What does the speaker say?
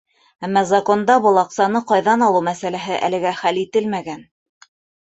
Әммә законда был аҡсаны ҡайҙан алыу мәсьәләһе әлегә хәл ителмәгән.